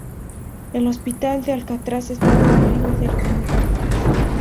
El Hospital de Alcatraz estaba arriba del comedor.